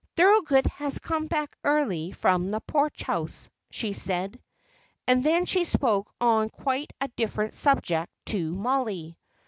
"Thorold has come back early from the Porch House," she said. And then she spoke on quite a different subject to Mollie.